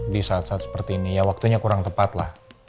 di saat saat seperti ini ya waktunya kurang tepat lah